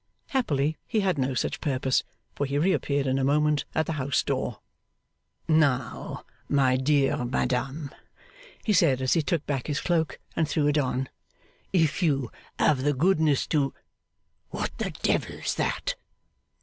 Happily he had no such purpose; for he reappeared, in a moment, at the house door. 'Now, my dear madam,' he said, as he took back his cloak and threw it on, 'if you have the goodness to what the Devil's that!